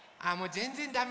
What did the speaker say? ぜんぜんダメ。